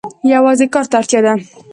یوازې کار ته اړتیا ده.